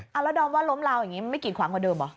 เอาแล้วดอมว่าล้มลาวอย่างนี้ไม่กีดขวางกว่าเดิมเหรอ